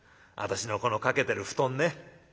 私のこのかけてる布団ね